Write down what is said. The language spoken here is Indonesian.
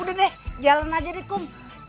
udah deh jalan aja deh kum